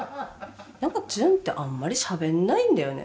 なんか旬ってあんまりしゃべんないんだよね